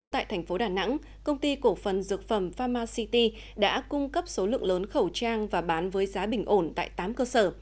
tại thành phố đà nẵng công ty cổ phần dược phẩm pharma city đã cung cấp số lượng lớn khẩu trang và bán với giá bình ổn tại tám cơ sở